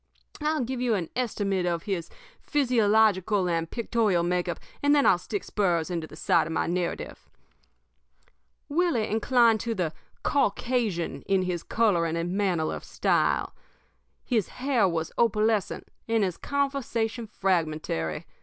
"I'll give you an estimate of his physiological and pictorial make up, and then I'll stick spurs into the sides of my narrative. "Willie inclined to the Caucasian in his coloring and manner of style. His hair was opalescent and his conversation fragmentary.